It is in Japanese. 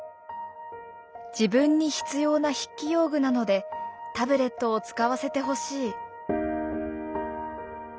「自分に必要な筆記用具なのでタブレットを使わせてほしい」。